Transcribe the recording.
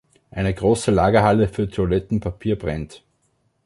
Eine große Lagerhalle für Toilettenpapier brennt.